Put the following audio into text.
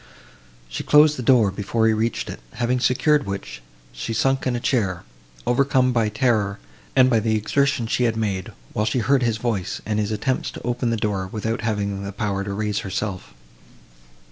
She closed the door, before he reached it, having secured which, she sunk in a chair, overcome by terror and by the exertion she had made, while she heard his voice, and his attempts to open the door, without having the power to raise herself.